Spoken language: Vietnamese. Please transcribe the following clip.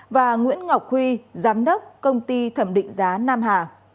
và nguyễn ngọc huy giám đốc công ty thẩm định giá nam hà